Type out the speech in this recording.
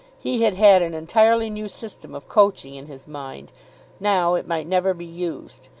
He had had an entirely new system of coaching in his mind. Now it might never be used.